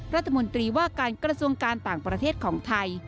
รัฐมนตรีว่าการกระทรวงการต่างประเทศของไทย